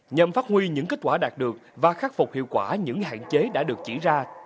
nhằm phát huy những kết quả đạt được và khắc phục hiệu quả những hạn chế đã được chỉ ra